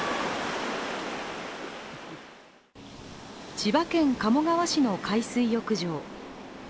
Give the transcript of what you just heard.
千葉県鴨川市の海水浴場。